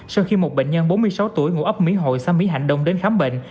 sau khi một bệnh nhân bốn mươi sáu tuổi ngụ ấp mỹ hội xã mỹ hạnh đông đến khám bệnh